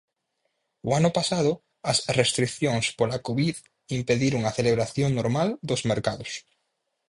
O ano pasado as restricións pola covid impediron a celebración normal dos mercados.